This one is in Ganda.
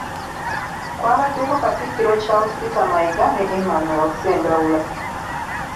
Kwabaddeko Katikkiro Charles Peter Mayiga ne Emmanuel Ssendaula.